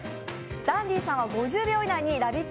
ダンディさんは５０秒以内に「ラヴィット！」